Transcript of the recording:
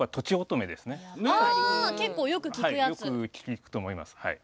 よく聞くと思いますはい。